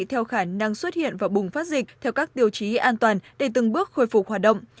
theo khả năng xuất hiện và bùng phát dịch theo các tiêu chí an toàn để từng bước khôi phục hoạt động